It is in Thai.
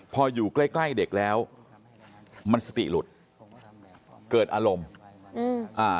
พออยู่ใกล้เด็กแล้วมันสติหลุดเกิดอารมณ์